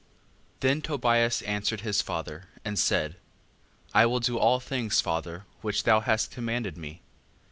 5:1. Then Tobias answered his father, and said: I will do all things, father, which thou hast commanded me.